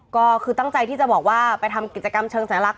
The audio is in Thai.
ก็คือตั้งใจที่จะบอกว่าไปทำกิจกรรมเชิงสัญลักษ